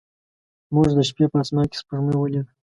موږ د شپې په اسمان کې سپوږمۍ ولیده.